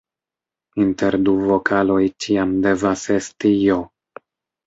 Inter du vokaloj ĉiam devas esti "j".